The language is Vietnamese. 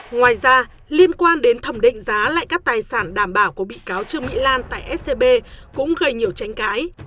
ngoài ra liên quan đến thẩm định giá lại các tài sản đảm bảo của bị cáo trương mỹ lan tại scb cũng gây nhiều tranh cãi